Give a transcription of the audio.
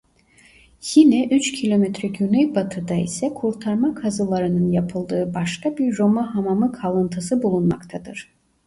Yine üç kilometre güneybatıda ise kurtarma kazılarının yapıldığı başka bir Roma hamamı kalıntısı bulunmaktadır.